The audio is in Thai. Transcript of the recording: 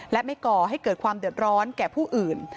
และไม่ก่อให้เกิดความเดือดร้อนแก่ผู้อื่น